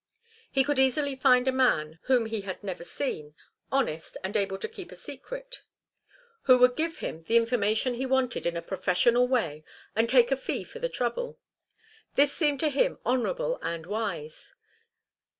He could easily find a man whom he had never seen, honest and able to keep a secret, who would give him the information he wanted in a professional way and take a fee for the trouble. This seemed to him honourable and wise.